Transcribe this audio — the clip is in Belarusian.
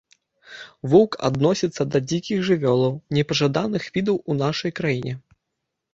Воўк адносіцца да дзікіх жывёлаў непажаданых відаў у нашай краіне.